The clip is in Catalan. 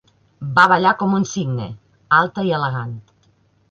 Va ballar com un cigne, alta i elegant.